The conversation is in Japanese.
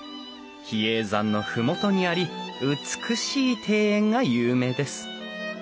比叡山の麓にあり美しい庭園が有名です。